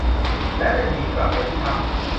และได้หนีกลับไปที่ถ้ำ